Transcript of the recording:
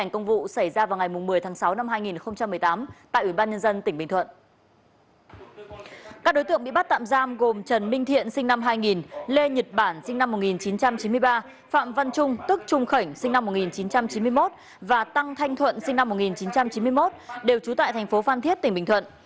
các đối tượng bị bắt tạm giam gồm trần minh thiện sinh năm hai nghìn lê nhật bản sinh năm một nghìn chín trăm chín mươi ba phạm văn trung tức trung khởi sinh năm một nghìn chín trăm chín mươi một và tăng thanh thuận sinh năm một nghìn chín trăm chín mươi một đều trú tại thành phố phan thiết tỉnh bình thuận